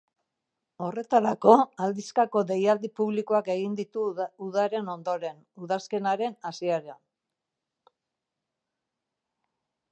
Horretarako, aldizkako deialdi publikoak egingo ditu udaren ondoren, udazkenaren hasieran.